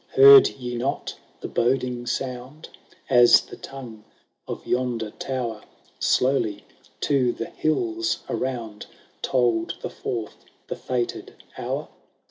Heard ye not the boding sound, As the tongue of yonder tower, Slowly, to the hills around, Told the fourth, the fated hour